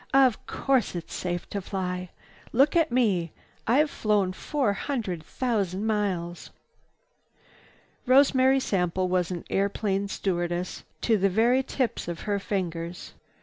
"Of course it's safe to fly. Look at me, I've flown four hundred thousand miles." Rosemary Sample was an airplane stewardess to the very tips of her fingers.